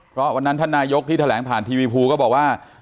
เพราะวันนั้นท่านนายยกที่แผ่นทีมีอีพรูบอกว่า